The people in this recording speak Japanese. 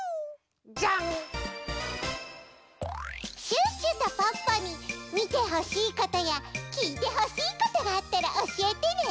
シュッシュとポッポにみてほしいことやきいてほしいことがあったらおしえてね！